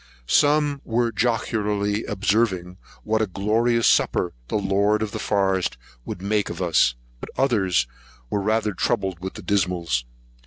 Some were jocularly observing what a glorious supper the lord of the forest would make of us; but others were rather troubled with the dismaloes.